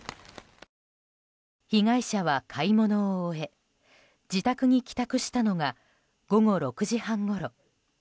被害者は買い物を終え自宅に帰宅したのが午後６時半ごろ。